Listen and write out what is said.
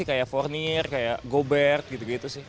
kayak fournier kayak gobert gitu gitu sih